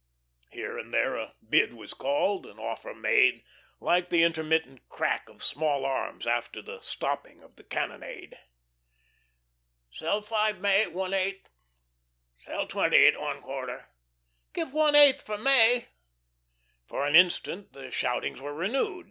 Here and there a bid was called, an offer made, like the intermittent crack of small arms after the stopping of the cannonade. "'Sell five May at one eighth." "'Sell twenty at one quarter." "'Give one eighth for May." For an instant the shoutings were renewed.